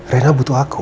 rena butuh aku